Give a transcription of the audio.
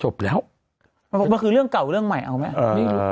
จบแล้วมันคือเรื่องเก่าเรื่องใหม่ครับคุณแม่เอ่อ